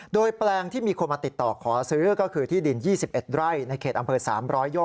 โดยแปลงที่มีคนมาติดต่อขอซื้อก็คือที่ดิน๒๑ไร่ในเขตอำเภอ๓๐๐โย่